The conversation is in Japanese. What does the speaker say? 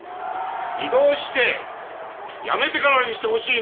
異動して辞めてからにしてほしいね。